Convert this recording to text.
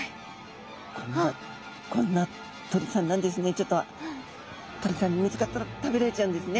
ちょっと鳥さんに見つかったら食べられちゃうんですね。